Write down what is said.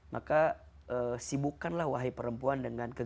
maka sibukkanlah wahai perempuan